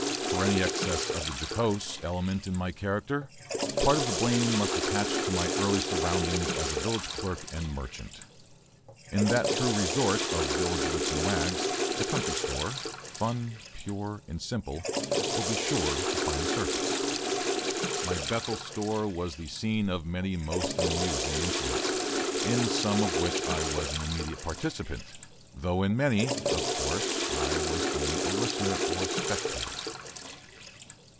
For any excess of the jocose element in my character, part of the blame must attach to my early surroundings as a village clerk and merchant. In that true resort of village wits and wags, the country store, fun, pure and simple, will be sure to find the surface. My Bethel store was the scene of many most amusing incidents, in some of which I was an immediate participant, though in many, of course, I was only a listener or spectator.